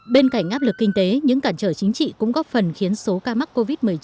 bên cạnh áp lực kinh tế những cản trở chính trị cũng góp phần khiến số ca mắc